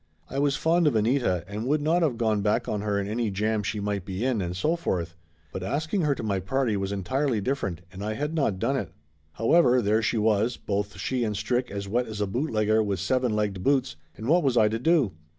I was fond of Anita and would not of gone back on her in any jam she might be in and so forth. But asking her to my party was entirely dif ferent and I had not done it. However, there she was, both she and Strick as wet as a bootlegger with seven legged boots, and what was I to do